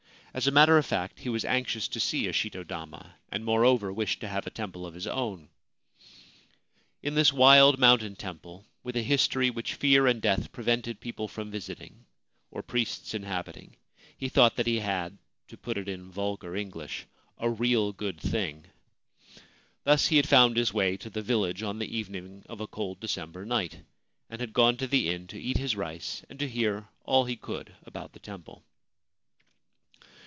As a matter of fact, he was anxious to see a shito dama, and, moreover, wished to have a temple of his own. In this wild mountain temple, with a history which fear and death prevented people from visiting or priests inhabiting, he thought that he had (to put it in vulgar English) * a real good thing/ Thus he had found his way to the village on the evening of a cold December night, and had gone to the inn to eat his rice and to hear all he could about the temple.